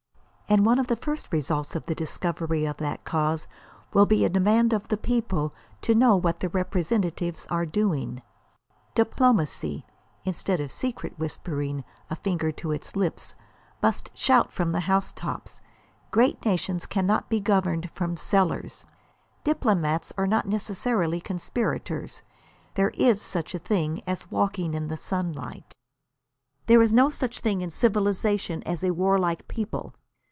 And one of the first results of the discovery of that cause will be a demand of the people to know what their representatives are doing. Diplomacy, instead of secret whispering, a finger to its lips, must shout from the housetops. Great nations cannot be governed from cellars. Diplomats are not necessarily conspirators. There is such a thing as walking in the sunlight. There is no such thing in civilisation as a warlike people.